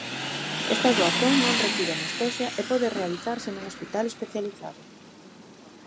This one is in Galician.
Esta doazón non require anestesia e pode realizarse nun hospital especializado.